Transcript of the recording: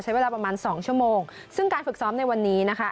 ใช้เวลาประมาณสองชั่วโมงซึ่งการฝึกซ้อมในวันนี้นะคะ